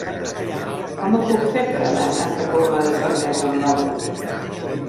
Com ho puc fer per anar a Santa Coloma de Farners amb moto?